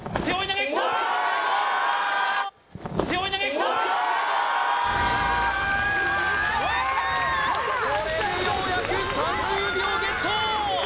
これでようやく３０秒ゲット！